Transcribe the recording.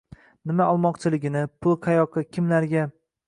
Nima olmoqchiligini, puli qayoqqa, kimlarga